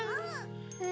うん。